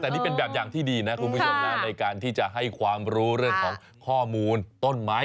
แต่นี่เป็นแบบอย่างที่ดีนะคุณผู้ชมนะในการที่จะให้ความรู้เรื่องของข้อมูลต้นไม้